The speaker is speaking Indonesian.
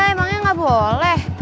emangnya gak boleh